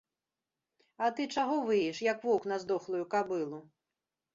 А ты чаго выеш, як воўк на здохлую кабылу?